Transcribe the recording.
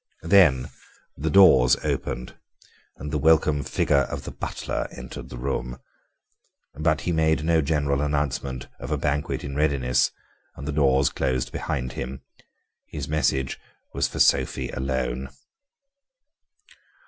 Then the doors opened and the welcome figure of the butler entered the room. But he made no general announcement of a banquet in readiness, and the doors closed behind him; his message was for Sophie alone.